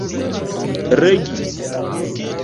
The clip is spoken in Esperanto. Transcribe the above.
regi